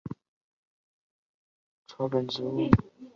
腺毛委陵菜是蔷薇科委陵菜属的多年生草本植物。